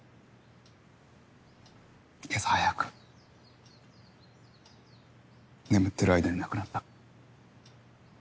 今朝早く眠っている間に亡くなった。